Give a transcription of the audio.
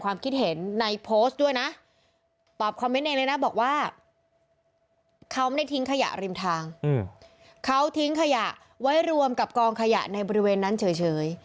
เขาทิ้งขยะไว้รวมกับกองขยะในบริเวณนั้นเฉย